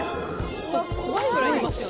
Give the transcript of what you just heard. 怖いぐらいいますよね。